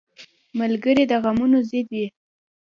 ملګری د غمونو ضد وي